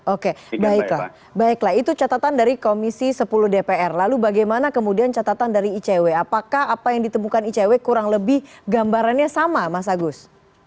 oke baiklah baiklah itu catatan dari komisi sepuluh dpr lalu bagaimana kemudian catatan dari icw apakah apa yang ditemukan icw kurang lebih gambarannya sama mas agus